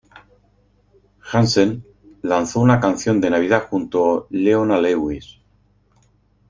Hansen lanzó una canción de Navidad junto a Leona Lewis.